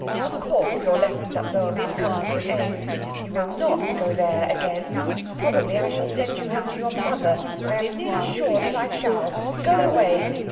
Of course your lessons at Lohm have come to an end. You will not go there again. Probably I shall send you home to your mother. I am nearly sure that I shall. Go away."